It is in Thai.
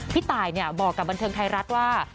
พี่ตายบอกกับบันเทิงไทยรัฐว่า